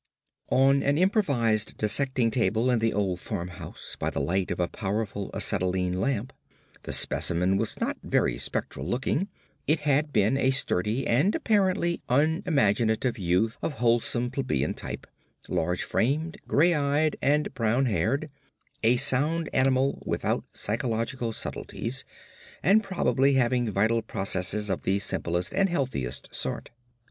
On an improvised dissecting table in the old farmhouse, by the light of a powerful acetylene lamp, the specimen was not very spectral looking. It had been a sturdy and apparently unimaginative youth of wholesome plebeian type—large framed, grey eyed, and brown haired—a sound animal without psychological subtleties, and probably having vital processes of the simplest and healthiest sort.